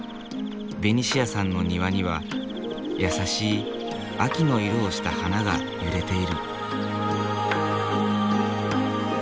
ベニシアさんの庭には優しい秋の色をした花が揺れている。